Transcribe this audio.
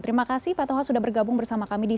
terima kasih pak toha sudah bergabung bersama kami di